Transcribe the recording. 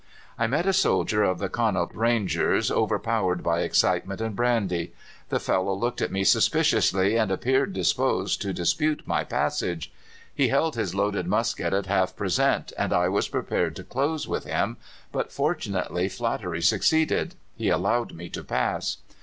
"I met a soldier of the Connaught Rangers, overpowered by excitement and brandy. The fellow looked at me suspiciously, and appeared disposed to dispute my passage. He held his loaded musket at half present, and I was prepared to close with him; but fortunately flattery succeeded. He allowed me to pass.